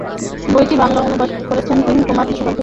বইটি বাংলা অনুবাদ করেছেন তুহিন কুমার মুখোপাধ্যায়।